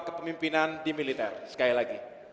kepemimpinan di militer sekali lagi